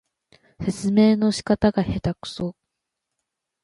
説明の仕方がへたくそ